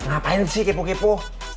apa mau ngapain kepo kepo